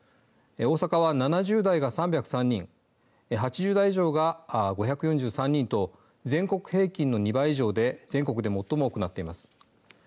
大阪は７０代が３０３人８０代以上が５４３人と全国平均の２倍以上で全国で最も多くなっています。